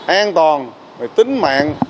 an toàn và tính mạng